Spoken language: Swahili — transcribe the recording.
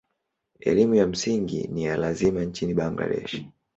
Elimu ya msingi ni ya lazima nchini Bangladesh.